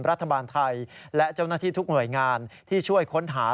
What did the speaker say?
รัฐบาลไทยและเจ้าหน้าที่ทุกหน่วยงานที่ช่วยค้นหา